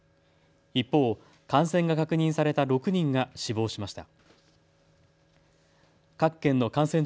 一方、感染が確認された６人が死亡しました。